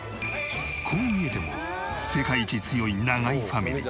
こう見えても世界一強い永井ファミリー。